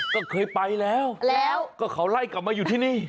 ก็เคยไปแล้วแล้วก็เขาไล่กลับมาอยู่ที่นี่